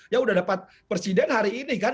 ya udah dapat presiden hari ini kan